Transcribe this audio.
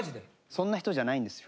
そんな人じゃないんですよ。